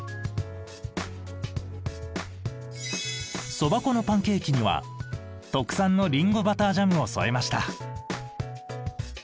そば粉のパンケーキには特産のりんごバタージャムを添えました。